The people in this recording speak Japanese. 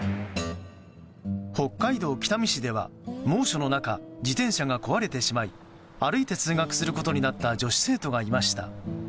北海道北見市では猛暑の中自転車が壊れてしまい歩いて通学することになった女子生徒がいました。